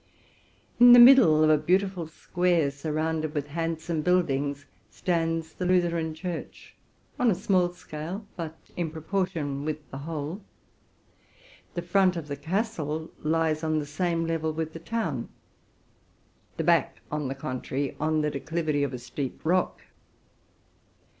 In the middle of a beautiful square, surrounded with handsome buildings, stands the Lutheran church, on a small scale, but in proportion with the whole. The front of the castle lies on the same level with the town ; the back, on the contrary, on the declivity of a steep rock.